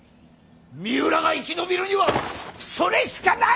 三浦が生き延びるにはそれしかないぞ！